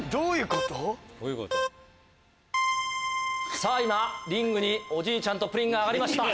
さぁ今リングにおじいちゃんとプリンが上がりました。